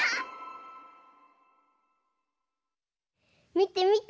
みてみて。